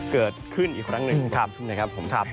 เกิดขึ้นอีกครั้งหนึ่งนะครับผม